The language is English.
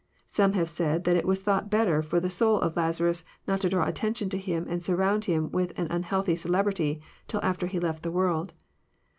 — Some have said that it was thought better for the soul of Lazarus not to draw at tention to him and surround him with an unhealthy celebrity till after he left the world.